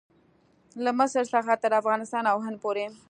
له مصر څخه تر افغانستان او هند پورې.